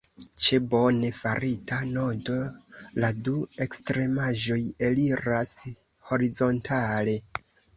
Ĉe bone farita nodo la du ekstremaĵoj eliras horizontale.